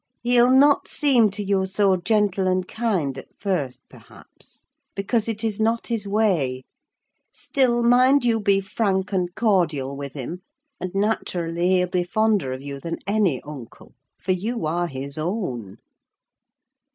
He'll not seem to you so gentle and kind at first, perhaps, because it is not his way: still, mind you, be frank and cordial with him; and naturally he'll be fonder of you than any uncle, for you are his own."